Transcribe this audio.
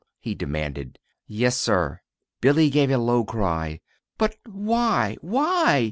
_" he demanded. "Yes, sir." Billy gave a low cry. "But why why?"